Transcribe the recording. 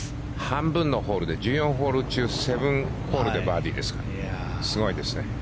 半分のホールで１４ホール中７ホールでバーディーですからすごいですね。